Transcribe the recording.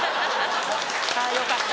あぁよかった。